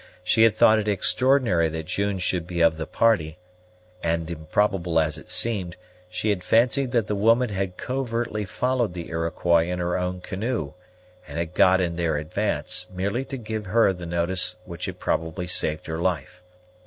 She had thought it extraordinary that June should be of the party, and, improbable as it seemed, she had fancied that the woman had covertly followed the Iroquois in her own canoe, and had got in their advance, merely to give her the notice which had probably saved her life.